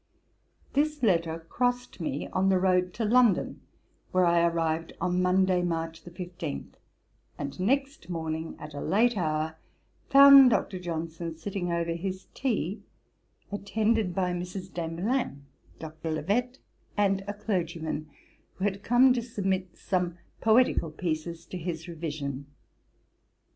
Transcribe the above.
This letter crossed me on the road to London, where I arrived on Monday, March 15, and next morning at a late hour, found Dr. Johnson sitting over his tea, attended by Mrs. Desmoulins, Mr. Levett, and a clergyman, who had come to submit some poetical pieces to his revision.